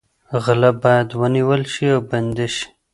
غله باید ونیول شي او بندي شي.